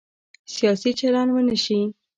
سیاسي چلند ونه شي.